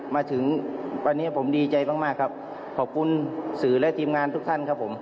มาถึงวันนี้ผมดีใจมากมากครับขอบคุณสื่อและทีมงานทุกท่านครับผม